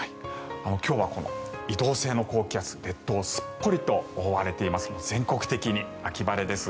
今日は移動性の高気圧列島すっぽりと覆われています。